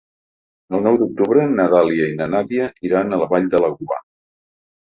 El nou d'octubre na Dàlia i na Nàdia iran a la Vall de Laguar.